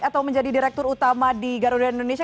atau menjadi direktur utama di garuda indonesia